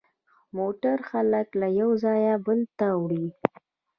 موټر خلک له یوه ځایه بل ته وړي.